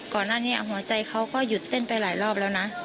ก่อนหน้านี้หัวใจเขาก็หยุดเต้นไปหลายรอบแล้วนะ